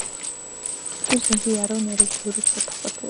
Тэр жинхэнэ яруу найраг туурвиж чадах болов уу?